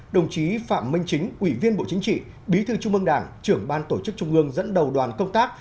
đồng chí phạm minh chính ủy viên bộ chính trị bí thư trung ương đảng trưởng ban tổ chức trung ương dẫn đầu đoàn công tác